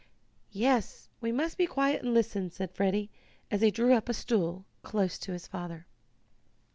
"Yes, we must be quiet and listen," said Freddie, as he drew up a stool close to his father.